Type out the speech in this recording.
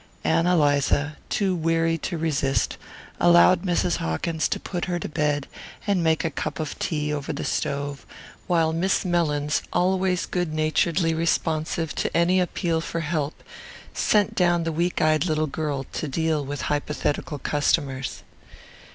Ann Eliza, too weary to resist, allowed Mrs. Hawkins to put her to bed and make a cup of tea over the stove, while Miss Mellins, always good naturedly responsive to any appeal for help, sent down the weak eyed little girl to deal with hypothetical customers.